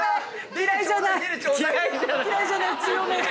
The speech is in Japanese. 嫌いじゃない強め。